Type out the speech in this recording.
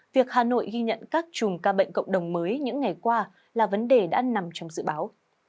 việc hà nội ghi nhận các chùm ca bệnh cộng đồng mới những ngày qua là vấn đề đã nằm trong dự báo